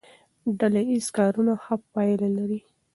ډله ییز کارونه ښه پایله لري.